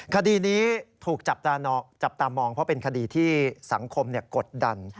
คดีนี้ถูกจับตามองเพราะเป็นคดีที่สังคมกดดัน